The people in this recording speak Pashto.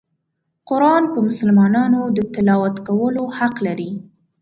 قرآن په مسلمانانو د تلاوت کولو حق لري.